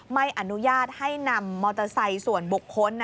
ไม่อนุญาตให้นำมอเตอร์ไซค์ส่วนบุคคล